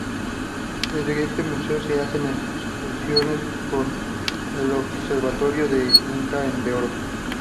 Desde este museo se hacen excursiones con el Observatorio de Inca de Oro.